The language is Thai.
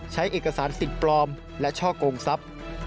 ใช้เอกสารสิทธิ์ปลอมและช่อกงทรัพย์